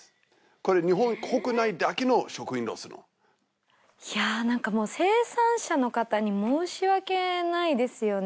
これ日本国内だけの食品ロスのいやぁなんかもう生産者の方に申し訳ないですよね